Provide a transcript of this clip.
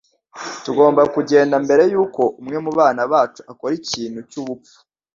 Tugomba kugenda mbere yuko umwe mubana bacu akora ikintu cyubupfu.